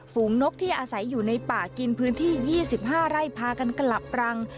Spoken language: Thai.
ฝูงนกที่อาศัยอยู่ในป่ากินพื้นที่๒๕ไร่พากันกลับรัง